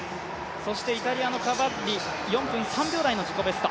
イタリアのカバッリ４分３秒台の自己ベスト。